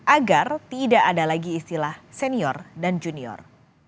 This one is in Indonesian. agar tidak ada lagi istilah senior dan junior